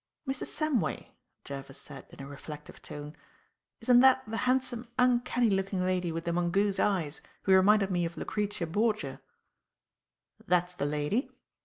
"Mrs. Samway," Jervis said in a reflective tone; "isn't that the handsome uncanny looking lady with the mongoose eyes, who reminded me of Lucrezia Borgia?" "That is the lady.